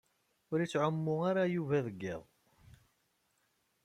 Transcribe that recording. Ur yettɛumu ara Yuba deg iḍ.